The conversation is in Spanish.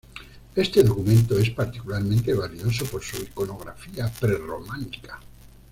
Este documento es particularmente valioso por su iconografía prerrománica.